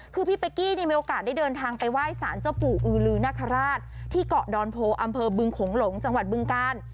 คือพี่เป๊กกี้มีโอกาสได้เดินทางไปไหว้สารเจ้าปู่อือลือนคราชที่เกาะดอนโพอำเภอบึงโขงหลงจังหวัดบึงกาล